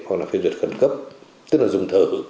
hoặc là phê duyệt khẩn cấp tức là dùng thở